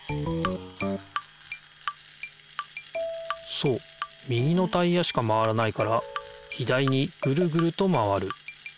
そう右のタイヤしか回らないから左にぐるぐると回る。